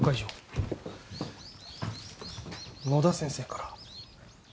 野田先生から。